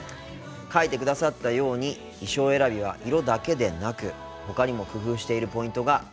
書いてくださったように衣装選びは色だけでなくほかにも工夫しているポイントがあるんですよ。